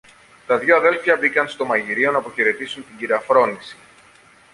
Τα δυο αδέλφια μπήκαν στο μαγειριό ν' αποχαιρετήσουν την κυρα-Φρόνηση